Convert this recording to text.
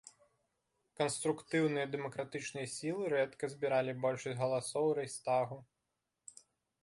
Канструктыўныя дэмакратычныя сілы рэдка збіралі большасць галасоў у рэйхстагу.